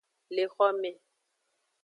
Le xome.